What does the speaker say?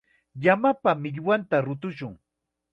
Llamapa millwanta rutushun.